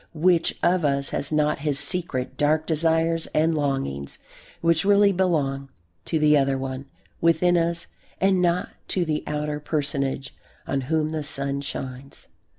Which of us has not his secret, dark desires and longings which really belong to "the other one" within us and not to the outer personage on whom the sun shines?